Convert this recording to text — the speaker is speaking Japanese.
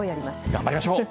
頑張りましょう。